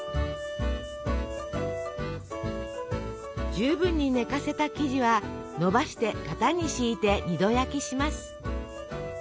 十分に寝かせた生地はのばして型に敷いて２度焼きします。